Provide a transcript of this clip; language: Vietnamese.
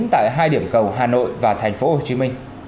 tại hai điểm cầu hà nội và tp hcm